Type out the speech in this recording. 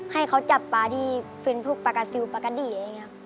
ให้เขาจับปลาที่เป็นพวกปลากาซิลปกติอะไรอย่างนี้ครับ